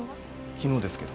昨日ですけど。